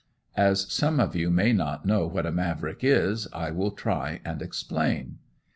As some of you may not know what a "Mavrick" is, I will try and explain.